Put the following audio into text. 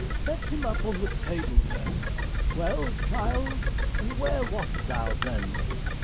Set him up on the table there. Well, child, and where wast thou then?